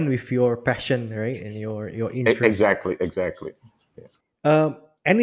dengan pasien anda bukan